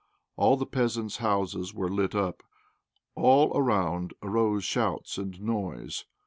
All the peasants' houses were lit up. All around arose shouts and noise.